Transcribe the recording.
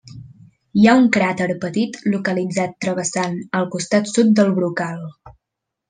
Hi ha un cràter petit localitzat travessant el costat sud del brocal.